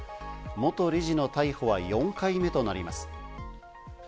元理事の逮捕は４回目となります。